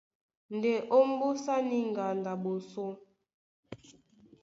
Ndé ómbùsá ní ŋgando a ɓosó,